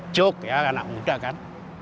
joke ya anak muda kan